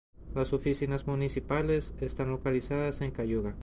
Las oficinas municipales están localizadas en Cayuga.